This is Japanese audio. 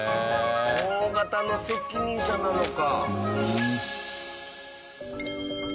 大型の責任者なのか。